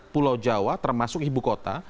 pulau jawa termasuk ibu kota